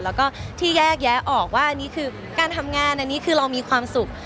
แล้วก็ที่แยกแยะออกว่าอันนี้คือการทำงานอันนี้คือเรามีความสุข